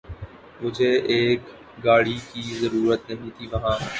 مجھیں ایک ایںر گاڑی کی ضریںرت نہیں تھیں وہاں